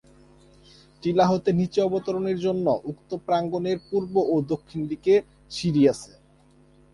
টিলা হতে নিচে অবতরণের জন্য উক্ত প্রাঙ্গণের পূর্ব ও দক্ষিণ দিকে সিঁড়ি আছে।